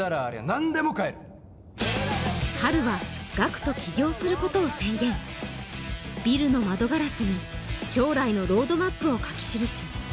何でも買えるハルはガクと起業することを宣言ビルの窓ガラスに将来のロードマップを書き記す